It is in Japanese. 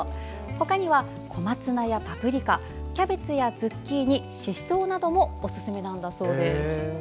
ほかには、小松菜やパプリカキャベツやズッキーニししとうなどもおすすめなんだそうです。